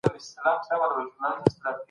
سم نیت وخت نه ځنډوي.